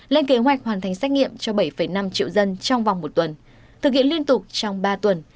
lên kế hoạch hoàn thành xét nghiệm cho bảy năm triệu dân trong vòng một tuần thực hiện liên tục trong ba tuần